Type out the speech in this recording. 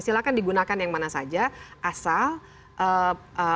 silahkan digunakan yang mana saja asal perka perang